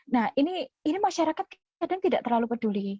nah ini masyarakat kadang tidak terlalu peduli